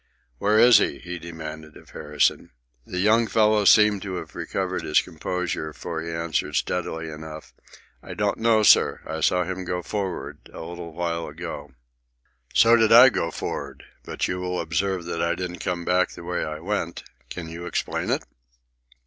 "Where is he?" he demanded of Harrison. The young fellow seemed to have recovered his composure, for he answered steadily enough, "I don't know, sir. I saw him go for'ard a little while ago." "So did I go for'ard. But you will observe that I didn't come back the way I went. Can you explain it?"